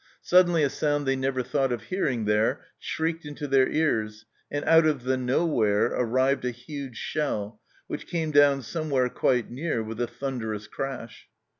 Suddenly a sound they never thought of hearing there shrieked into their ears, and " out of the nowhere" arrived a huge shell, which came down somewhere quite near with a thunderous crash.